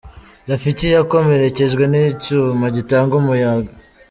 Rafiki yakomerekejwe n’icyuma gitanga umuyaga